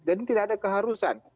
jadi tidak ada keharusan